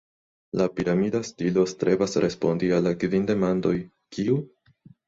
La piramida stilo strebas respondi al la kvin demandoj: Kiu?